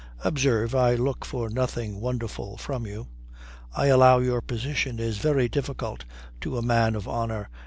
"Observe, I look for nothing wonderful from you. I allow your position is very difficult to a man of honour.